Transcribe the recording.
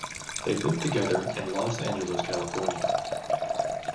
They live together in Los Angeles, California.